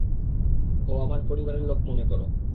ও আমার পরিবারের লোক মনে করো।